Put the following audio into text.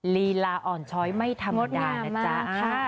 ลีลาอ่อนช้อยไม่ธรรมดานะจ๊ะโมดง่ายมากค่ะ